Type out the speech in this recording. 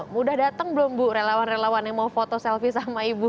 mudah datang belum bu relawan relawan yang mau foto selfie sama ibu